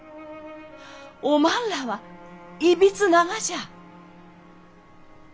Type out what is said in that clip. おまんらはいびつながじゃ！